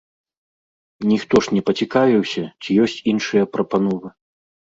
Ніхто ж не пацікавіўся, ці ёсць іншыя прапановы.